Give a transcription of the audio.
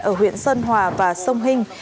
ở huyện sơn hòa và sông hinh